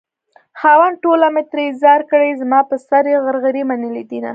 خاونده ټوله مې ترې ځار کړې زما په سر يې غرغرې منلي دينه